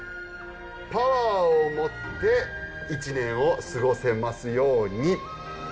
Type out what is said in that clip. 「パワーをもって一年を過ごせます様に」。